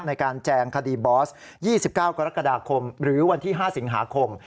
แจงคดีบอส๒๙กรกฎาคมหรือวันที่๕สิงหาคม